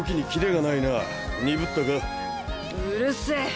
うるせぇ。